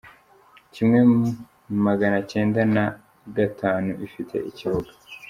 kimwe magana cyenda na gatatu. Ifite ikibuga